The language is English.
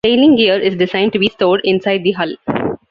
Sailing gear is designed to be stored inside the hull.